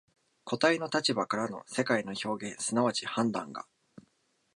個物の立場からの世界の表現即ち判断が、